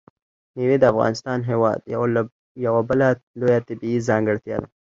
مېوې د افغانستان هېواد یوه بله لویه طبیعي ځانګړتیا ده.